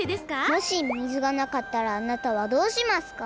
もし水がなかったらあなたはどうしますか？